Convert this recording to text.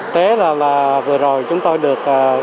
thế là vừa rồi chúng tôi được